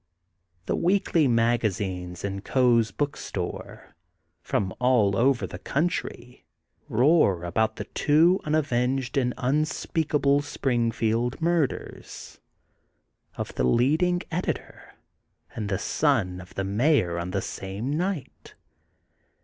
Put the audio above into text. The weekly mag azines in Coe 's Book Store, from all over the country, roar about the two unavenged and unspeakable Springfield murders: — of the leading editor, and the son of the mayor on the same night.